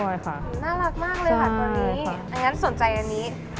อย่างนั้นสนใจอันนี้